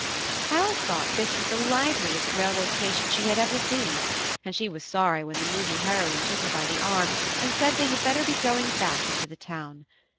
Alice thought this was the liveliest railroad station she had ever seen, and, she was sorry when the Movie Heroine took her by the arm and said they had better be going back into the town.